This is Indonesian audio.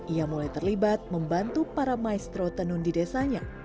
ia mulai terlibat membantu para maestro tenun di desanya